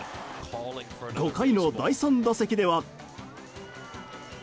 ５回の第３打席では。